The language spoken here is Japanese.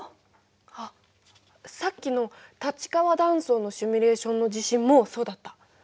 あっさっきの立川断層のシミュレーションの地震もそうだった。